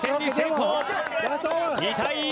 ２対１。